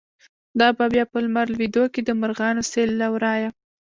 دابه بیا په لمر لویدوکی، دمرغانو سیل له ورایه”